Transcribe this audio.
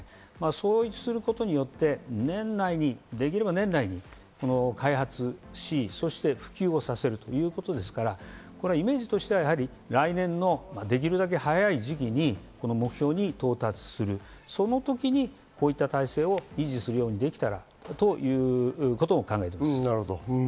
そうすることによって、年内に開発し、復旧をさせるということですから、イメージとしては、来年のできるだけ早い時期にこの目標に到達する、その時にこういった体制を維持するようにできたらということを考えています。